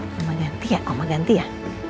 koma ganti ya koma ganti ya